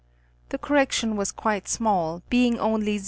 The correction was quite small, being only 0°.